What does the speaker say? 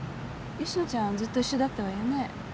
吉乃ちゃんずっと一緒だったわよね？